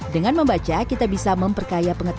dengan membaca kita bisa memperkaya pengetahuan